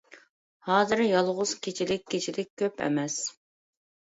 ھازىر يالغۇز كېچىلىك كېچىلىك كۆپ ئەمەس.